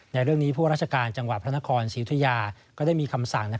ในเรื่องนี้ผู้ราชการจังหวัดพระนครศรีอุทยาก็ได้มีคำสั่ง